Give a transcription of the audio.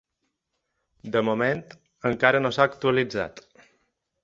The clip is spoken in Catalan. De moment, encara no s’ha actualitzat.